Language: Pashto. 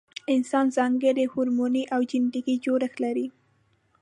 انسان ځانګړی هورموني او جنټیکي جوړښت لري.